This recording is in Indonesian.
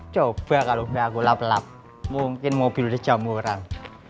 coba kalau gak aku lap lap mungkin mobil udah jam orang